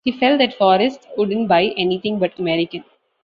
He felt that Forrest wouldn't buy anything but American.